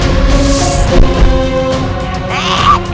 aku harus membantu